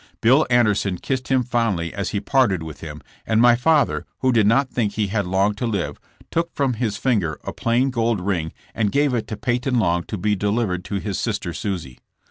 Bill Anderson kissed him fondly as he parted with him, and my father, who did not think he had long to live took from his finger a plain gold ring and gave it to Peyton Long to be delivered to his sister Susie.